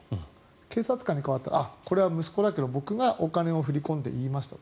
警察官に代わってこれは、息子だけど僕がお金を振り込んでと言いましたと。